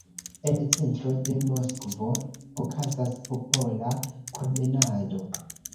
En centro de Moskvo okazas popola promenado.